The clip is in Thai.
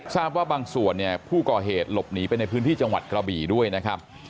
ทราบว่าบางส่วนเนี่ยผู้ก่อเหตุหลบหนีไปในพื้นที่จังหวัดกระบี่ด้วยนะครับ